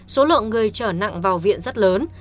số lượng người trở nặng vào viện rất lớn